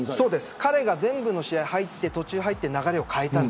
彼が全部の試合に途中で入って流れを変えました。